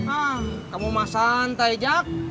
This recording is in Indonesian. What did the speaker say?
ah kamu mah santai jak